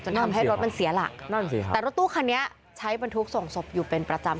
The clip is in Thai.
ทำให้รถมันเสียหลักนั่นสิฮะแต่รถตู้คันนี้ใช้บรรทุกส่งศพอยู่เป็นประจำ